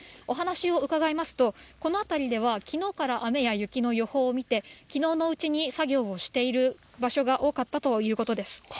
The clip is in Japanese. お話を伺いますと、この辺りでは、きのうから雨や雪の予報を見て、きのうのうちに作業をしている場所が多かったということです。